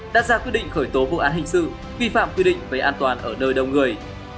đã ra quyết định khởi tố vụ án hình sự vi phạm quy định về an toàn ở nơi đông người